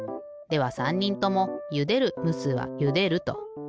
では３にんともゆでるむすはゆでると。